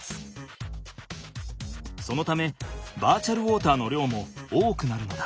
そのためバーチャルウォーターの量も多くなるのだ。